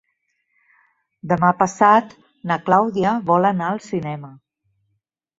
Demà passat na Clàudia vol anar al cinema.